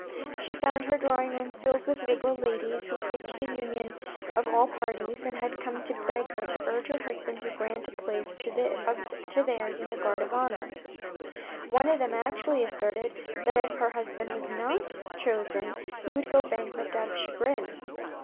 She found her drawing room filled with Liberal ladies who preached the union of all parties and had come to beg her to urge her husband to grant a place to theirs in the guard of honour. One of them actually asserted that if her husband was not chosen he would go bankrupt out of chagrin.